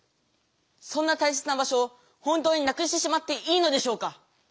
そんなたいせつな場しょを本当になくしてしまっていいのでしょうか？